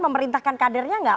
memerintahkan kadernya enggak